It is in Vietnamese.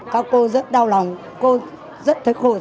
các cô rất đau lòng cô rất thấy khổ